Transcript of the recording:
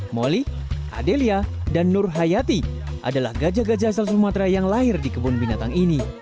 moli adelia dan nur hayati adalah gajah gajah asal sumatera yang lahir di kebun binatang ini